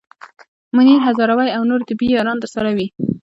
منیر هزاروی او نورې طبې یاران درسره وي.